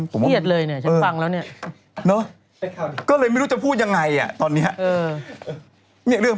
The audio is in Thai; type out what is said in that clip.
เหี้ยดเลยเนี่ยฉันฟังแล้วเนี่ยนึง